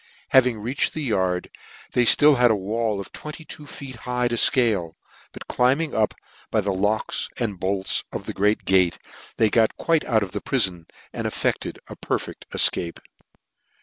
Having reached the yard, they had (till a wall of twenty two feet high to fcale , but climbing up by the locks and boks of the great gate, they got tjuite out of the prifon, and effcded a perlecl: ticape.